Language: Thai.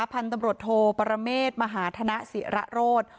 พันธุ์ตำรวจโทปรเมษมหาธนศิระโรธ